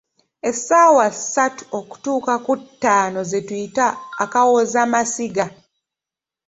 Essaawa ssatu okutuuka ku ttaano ze tuyita, "akawoza masiga"